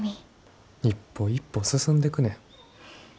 一歩一歩進んでくねん。